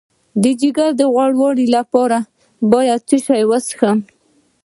د ځیګر د غوړ لپاره باید څه شی وڅښم؟